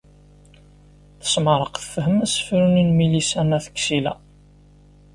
Tesmeɛreq tefhem asefru-nni n Milisa n At Ksila.